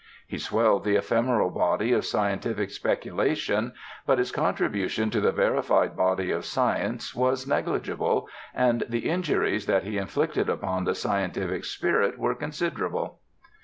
He swelled the ephemeral body of scientific speculation; but his contribution to the verified body of science was negligible, and the injuries that he inflicted upon the scientific spirit were considerable.